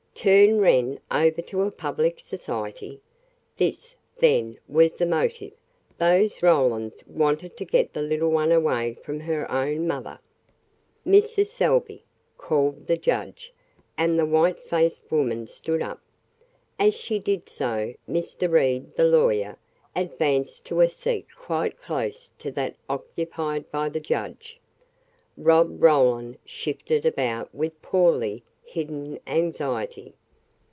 Turn Wren over to a public society! This, then, was the motive those Rolands wanted to get the little one away from her own mother. "Mrs. Salvey," called the judge, and the white faced woman stood up. As she did so, Mr. Reed, the lawyer, advanced to a seat quite close to that occupied by the judge. Rob Roland shifted about with poorly hidden anxiety.